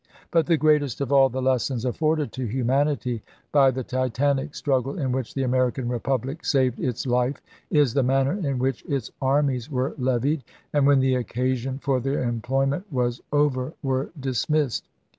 But the greatest of all the lessons afforded to humanity by the Titanic struggle in which the American Republic saved its life is the manner in which its armies were levied, and, when the occasion for their employment was over, were dismissed.